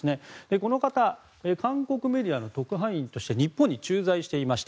この方、韓国メディアの特派員として日本に駐在していました。